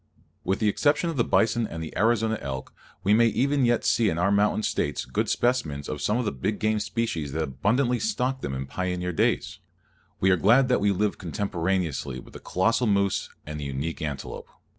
With the exception of the bison and the Arizona elk, we may even yet see in our mountain States good specimens of some of the big game species that abundantly stocked them in pioneer days. We are glad that we live contemporaneously with the colossal moose and the unique antelope.